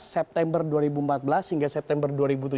september dua ribu empat belas hingga september dua ribu tujuh belas